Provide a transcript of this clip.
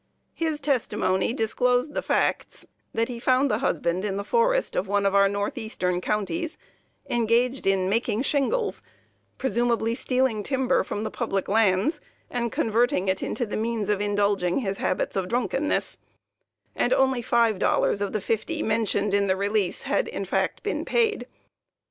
His testimony disclosed the facts that he found the husband in the forest in one of our north eastern counties, engaged in making shingles, (presumably stealing timber from the public lands and converting it into the means of indulging his habits of drunkenness,) and only five dollars of the fifty mentioned in the release had in fact been paid.